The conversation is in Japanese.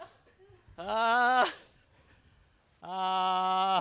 ああ。